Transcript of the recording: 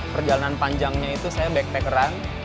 perjalanan panjangnya itu saya backpackeran